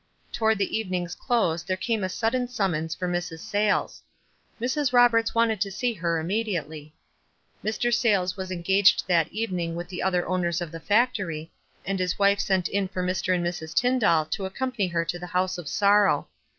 Toward the evening's close there came a sudden summons for Mrs. Sayles. "Mrs. Roberts wanted to see her immediately." Mr. WISE AND OTHERWISE. 275 Sayles was engaged that evening with the other owners of the factory, and his wife sent in for Mr. and Mrs. Tyndall to accompany her to the house of sorrow.